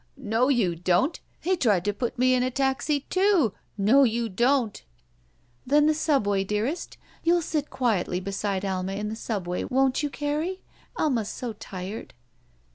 "No, you don't! He tried to put me m a taxi, too. No, you don't !" "Then the Subway, dearest. You'll sit quietly beside Alma in the Subway, won't you, Carrie? Alma's so tired."